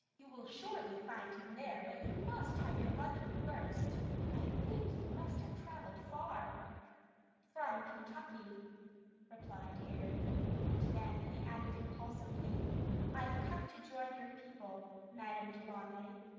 You will surely find him there, but you must have your luncheon first. I think you must have travelled far." "From Kentucky," replied Harry, and then he added impulsively: "I've come to join your people, Madame Delaunay.